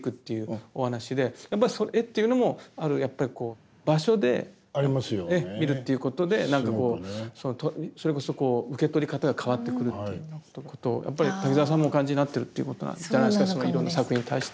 やっぱり絵っていうのもこう場所で見るっていうことでなんかこうそれこそこう受け取り方が変わってくるっていうことをやっぱり滝沢さんもお感じになってるっていうことなんじゃないですかそのいろんな作品に対して。